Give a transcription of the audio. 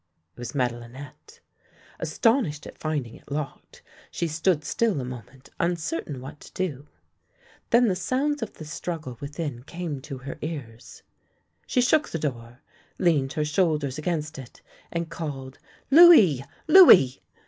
It was Madelinette. Astonished at finding it locked, she stood still a moment uncertain what to do. Then the sounds of the struggle within came to her ears. She shook the door, leaned her shoulders against it, and called "Louis! Louis!"